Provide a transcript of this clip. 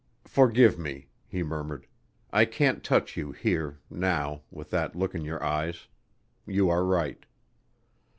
"Forgive me," he murmured. "I can't touch you here now with that look in your eyes. You are right."